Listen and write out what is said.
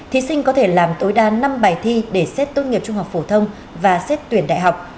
thí sinh có thể làm tối đa năm bài thi để xét tốt nghiệp trung học phổ thông và xét tuyển đại học